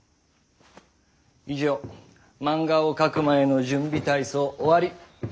以上漫画を描く前の「準備体操」終わり。